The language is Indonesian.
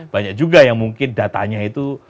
banyak juga yang mungkin datanya itu